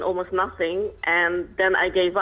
dan kemudian saya menyerah